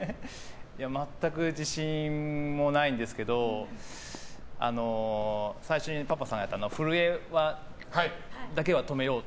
まったく自信もないんですけど最初にパパさんがやってた震えだけは止めようと。